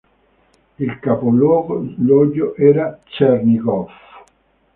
Il capoluogo era Černigov.